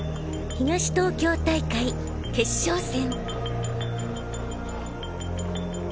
東東京大会決勝戦